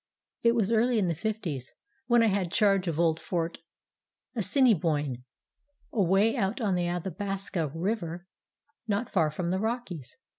"It was early in the Fifties, when I had charge of old Fort Assiniboine, away out on the Athabasca River, not far from the Rockies.